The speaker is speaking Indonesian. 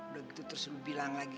udah gitu terus lu bilang lagi